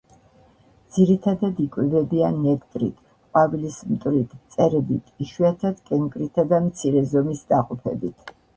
ძირითადად იკვებებიან ნექტრით, ყვავილის მტვრით, მწერებით, იშვიათად კენკრითა და მცირე ზომის ნაყოფებით.